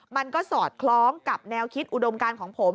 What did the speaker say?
มันก็สอดคล้องกับแนวคิดอุดมการของผม